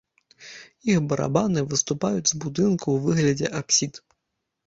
Іх барабаны выступаюць з будынка ў выглядзе апсід.